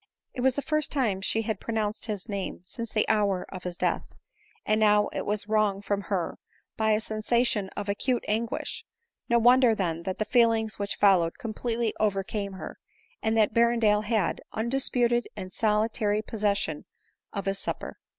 It was the first time she had pronounced his name since the hour of his death, and now it was wrung from her by a sensation of acute anguish ; no wonder, then, that the feelings which followed completely overcame her, and that Berrendale had, undisputed and solitary possession of his supper.